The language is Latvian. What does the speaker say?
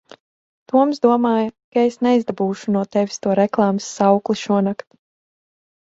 Toms domāja, ka es neizdabūšu no tevis to reklāmas saukli šonakt.